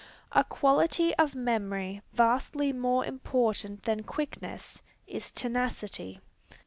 A quality of memory vastly more important than quickness, is tenacity.